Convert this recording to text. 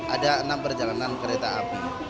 ada enam perjalanan kereta api